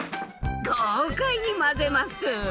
豪快に混ぜます！